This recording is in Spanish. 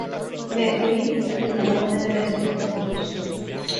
Me fui manteniendo buenas relaciones con ellos.